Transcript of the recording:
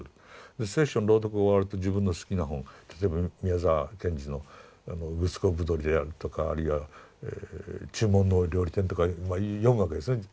で聖書の朗読が終わると自分の好きな本例えば宮沢賢治のグスコーブドリであるとかあるいは「注文の多い料理店」とかまあ読むわけですね。